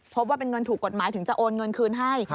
พบว่าเป็นเงินถูกกฎหมายถึงจะโอนเงินคืนให้